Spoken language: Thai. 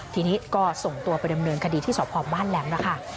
ทีนี้ก็ส่งตัวไปดำเนินคดีที่สพบ้านแหลมแล้วค่ะ